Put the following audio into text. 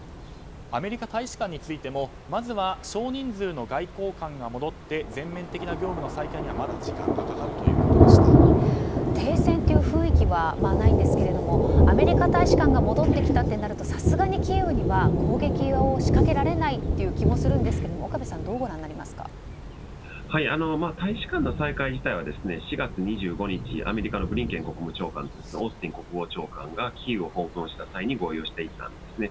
アメリカ大使館についてもまずは少人数の外交官が戻って全面的な業務の再開にはまだ時間が停戦という雰囲気はないんですけどもアメリカ大使館が戻ってきたとなるとさすがにキーウには攻撃を仕掛けられないという気もするんですけども岡部さん大使館の再開自体は４月２５日、アメリカのブリンケン国務長官とオースティン国防長官がキーウを訪問した際に合意をしていたんですね。